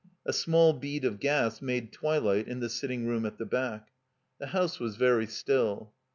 A small bead of gas made twilight in the sitting room at the back. The house was very still.